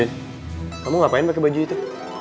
erin kamu ngapain pake baju itu